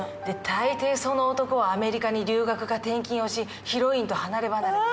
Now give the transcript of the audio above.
で大抵その男はアメリカに留学か転勤をしヒロインと離れ離れ。